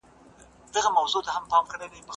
ایا مادي کلتور تر معنوي کلتور غوره دی؟